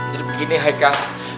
jadi begini haikal